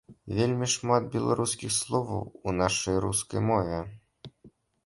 Вельмі шмат беларускіх словаў у нашай рускай мове.